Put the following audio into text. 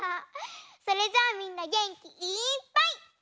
それじゃあみんなげんきいっぱいいってみよう！